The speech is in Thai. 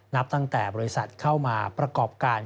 นับตั้งแต่บริษัทเข้ามาประกอบการ